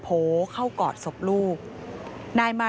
พบหน้าลูกแบบเป็นร่างไร้วิญญาณ